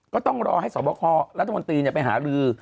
ก็ต้องรอให้สวบครัฐมนตรีไปหาลือ